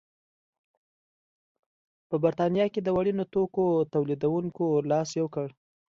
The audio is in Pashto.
په برېټانیا کې د وړینو توکو تولیدوونکو لاس یو کړ.